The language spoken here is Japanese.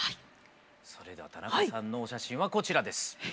それでは田中さんのお写真はこちらです。